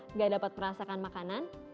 nggak dapat merasakan makanan